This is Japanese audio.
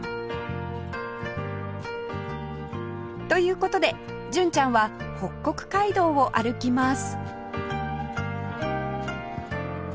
という事で純ちゃんは北国街道を歩きます